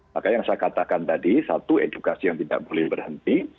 maka yang saya katakan tadi satu edukasi yang tidak boleh berhenti